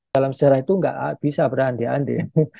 dalam sejarah itu tidak bisa berhenti henti